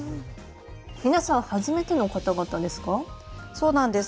皆さん初めての方々ですか？